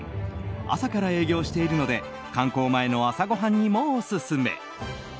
朝から営業しているので観光前の朝ごはんにもオススメ。